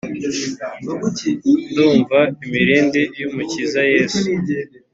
Ndumva imirindi yumukiza yesu